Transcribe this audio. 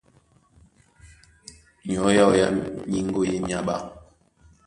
Nyɔ̌ ǎō yá nyíŋgó í e myaɓá.